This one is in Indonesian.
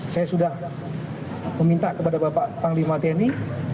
saya sudah meminta kepada bapak panglima tni